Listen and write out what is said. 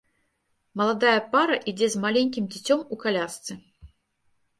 Маладая пара ідзе з маленькім дзіцём у калясцы.